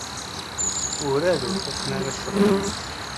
Werɛad ur fuken ara ccɣel-nni.